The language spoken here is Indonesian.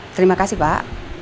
terima kasih pak